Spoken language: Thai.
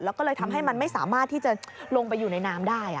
แล้วก็เลยทำให้มันไม่สามารถที่จะลงไปอยู่ในน้ำได้